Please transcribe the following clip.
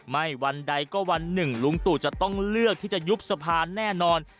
วันใดก็วันหนึ่งลุงตู่จะต้องเลือกที่จะยุบสะพานแน่นอน